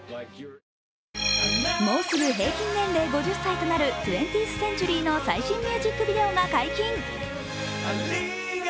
もうすぐ平均年齢５０歳となる２０ｔｈＣｅｎｔｕｒｙの最新ミュージックビデオが解禁。